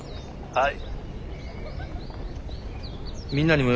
はい。